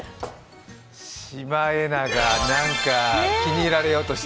シマエナガ、なんか気に入られようとして。